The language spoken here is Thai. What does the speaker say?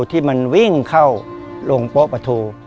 ที่มันวิ่งเข้าลงโป๊ะประทู